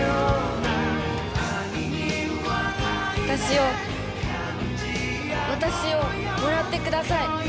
私を私をもらってください。